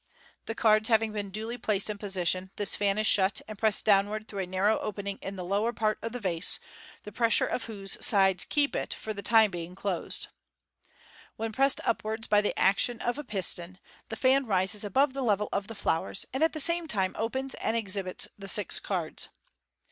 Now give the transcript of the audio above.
The cards having been duly placed in position, this fan is shut, and pressed downwards through a narrow opening in the lower part of the vase, the pressure of whose sides keeps it, for the time being, closed. When pressed upwards by the action of a piston, the fan rises above the level of the flowers, and at the same time opens and exhibits the six cards.